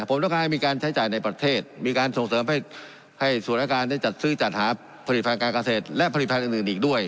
ผมต้องการให้มีการใช้จ่ายในประเทศมีการส่งเสริมให้ส่วนอาการได้จัดซื้อจัดหาผลิตภัณฑ์การเกษตรและผลิตภัณฑ์อื่นอีกด้วย